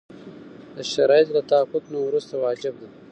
د شرایطو له تحقق نه وروسته واجب ده.